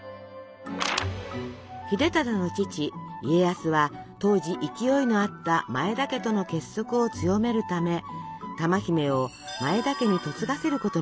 秀忠の父家康は当時勢いのあった前田家との結束を強めるため珠姫を前田家に嫁がせることにしたのです。